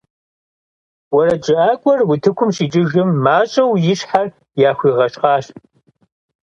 УэрэджыӀакӀуэр утыкум щикӏыжым, мащӀэу и щхьэр яхуигъэщхъащ.